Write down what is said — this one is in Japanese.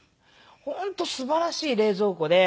本当すばらしい冷蔵庫で。